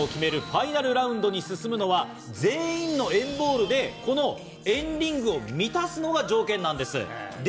ファイナルラウンドに進むのは全員の＆ＢＡＬＬでこの＆ＲＩＮＧを満たすのが条件なんです。